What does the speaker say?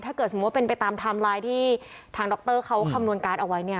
ถ้าเกิดสมมุติเป็นไปตามไทม์ไลน์ที่ทางดรเขาคำนวณการเอาไว้